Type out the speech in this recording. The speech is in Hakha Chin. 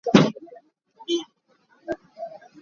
A lih a phan tuk khan kan zum kho ti lo.